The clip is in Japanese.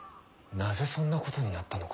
なぜそんなことになったのか。